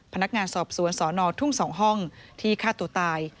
พนักงานสอบสวนสนทุ่ง๒ห้องที่ฆ่าตัวตาย